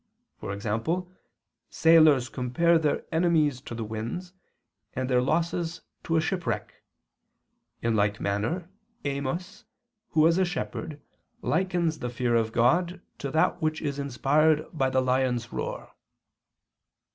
For example, sailors compare their enemies to the winds, and their losses to a shipwreck. In like manner Amos, who was a shepherd, likens the fear of God to that which is inspired by the lion's roar."